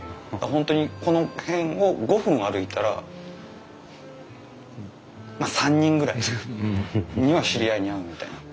本当にこの辺を５分歩いたらまあ３人ぐらいには知り合いに会うみたいな。